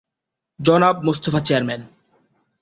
জনাব মোস্তফা চেয়ারম্যান